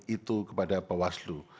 itu kepada pewaslu